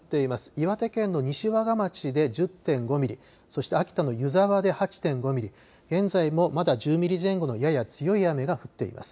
岩手県の西和賀町で１０．５ミリ、そして秋田の湯沢で８．５ミリ、現在もまだ１０ミリ前後のやや強い雨が降っています。